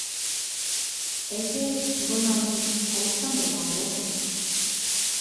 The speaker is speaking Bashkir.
-Әйтәйек, бына, ни, Александр Матросов...